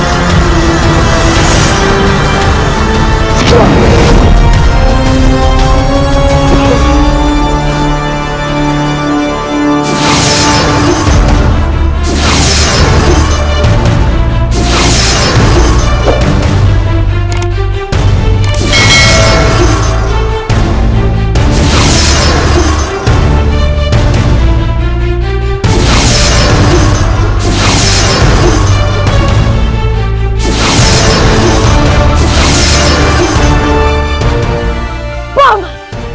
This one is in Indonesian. perwana merah merona